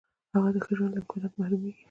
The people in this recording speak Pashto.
هغه د ښه ژوند له امکاناتو محرومیږي.